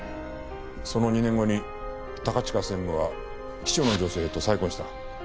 その２年後に高近専務は秘書の女性と再婚した。